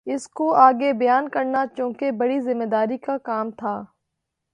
اِس کو آگے بیان کرنا چونکہ بڑی ذمہ داری کا کام تھا